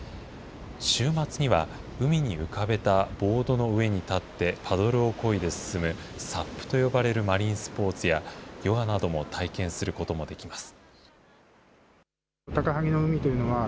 週末には海に浮かべたボードの上に立ってパドルをこいで進むＳＵＰと呼ばれるマリンスポーツやヨガなども体験することができます。